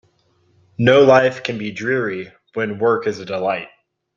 No life can be dreary when work is a delight.